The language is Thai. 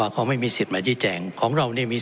ท่านประธานที่ขอรับครับ